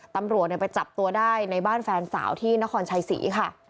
ตำรวจไปจับตัวได้ในบ้านแฟนสาวที่นครชัยศรีค่ะ